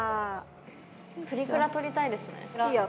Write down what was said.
プリクラ撮りたいですねいいよ